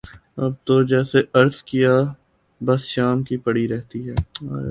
اب تو جیسے عرض کیا بس شام کی پڑی رہتی ہے